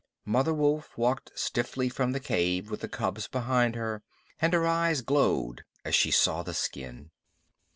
Mother Wolf walked stiffly from the cave with the cubs behind her, and her eyes glowed as she saw the skin.